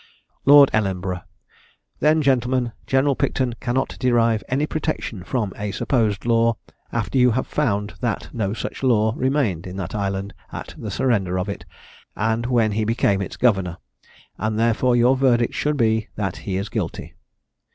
Lord Ellenborough "Then, gentlemen, General Picton cannot derive any protection from a supposed law, after you have found that no such law remained in that island at the surrender of it, and when he became its governor; and therefore your verdict should be, that he is guilty."